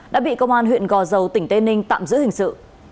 đã bị công an huyện gò dầu tỉnh tây ninh tạm giữ hình sự